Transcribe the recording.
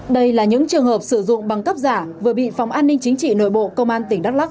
đây là những trường hợp sử dụng băng cấp giả vừa bị phòng an ninh chính trị nội bộ công an tỉnh đắk lắc